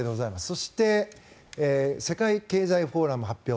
そして、世界経済フォーラム発表